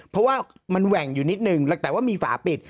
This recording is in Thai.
เพราะว่ามันแหว่งอยู่นิดนึงแต่ว่ามีฝาปิด